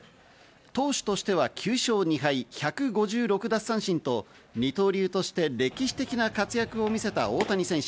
投手としては９勝２敗、１５６奪三振と二刀流として歴史的な活躍を見せた大谷選手。